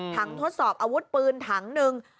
ทดสอบอาวุธปืนถังหนึ่ง